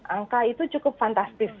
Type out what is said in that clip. angka itu cukup fantastis